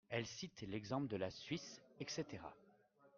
Elles citent l'exemple de la Suisse, etc.